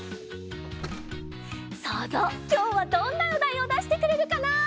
そうぞうきょうはどんなおだいをだしてくれるかな？